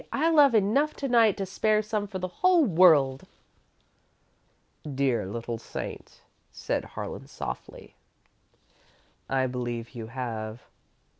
I've love enough to night to spare some for the whole world." "Dear little saint," said Harlan, softly, "I believe you have."